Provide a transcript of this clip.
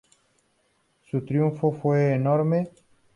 Su triunfo fue enorme.